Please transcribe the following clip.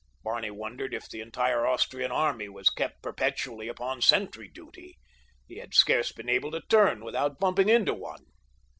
Barney wondered if the entire Austrian army was kept perpetually upon sentry duty; he had scarce been able to turn without bumping into one.